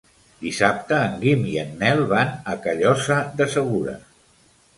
Dissabte en Guim i en Nel van a Callosa de Segura.